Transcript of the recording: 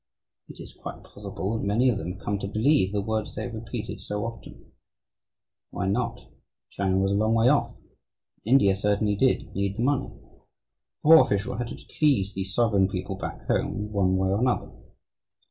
It is quite possible that many of them have come to believe the words they have repeated so often. Why not? China was a long way off and India certainly did need the money. The poor official had to please the sovereign people back home, one way or another.